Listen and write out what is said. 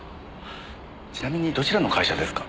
ちなみにどちらの会社ですか？